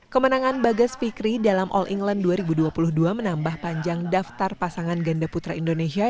kemenangan bagas fikri dalam all england dua ribu dua puluh dua menambah panjang daftar pasangan ganda putra indonesia